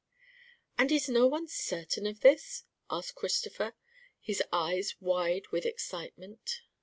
"And is no one certain of this?" asked Christopher, his eyes wide with excitement.